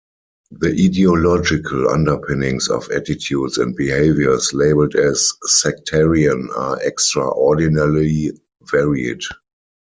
The ideological underpinnings of attitudes and behaviours labelled as sectarian are extraordinarily varied.